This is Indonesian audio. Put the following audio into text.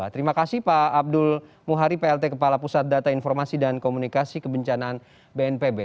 terima kasih pak abdul muhari plt kepala pusat data informasi dan komunikasi kebencanaan bnpb